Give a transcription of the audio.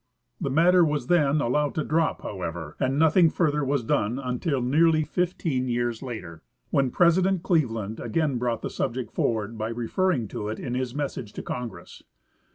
The matter was then allowed to dro|), however, and nothing further was done until nearly fifteen years later, when President Cleveland again brought the subject forward by referring to it in his message to Congress.